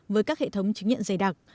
với các hệ thống chứng nhận dày đặc